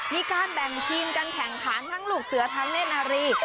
มีการแบ่งทีมการแข่งขันทั้งลูกเสือทั้งเล่นนารี